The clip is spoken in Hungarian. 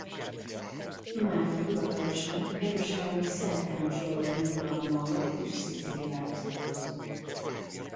Málta hivatalosan a Jeruzsálemi Szent János Lovagrend uralma alatt is Szicíliához tartozott.